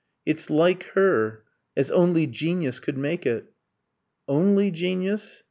"It's like her as only genius could make it." Only genius?